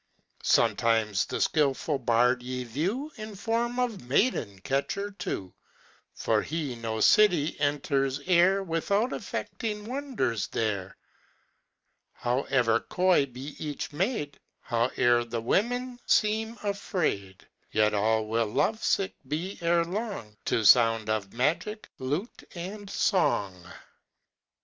Sometimes the skilful bard ye view In the form of maiden catcher too; For he no city enters e'er, Without effecting wonders there. However coy may be each maid, However the women seem afraid, Yet all will love sick be ere long To sound of magic lute and song.